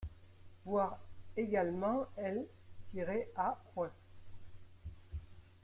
Voir également L-A.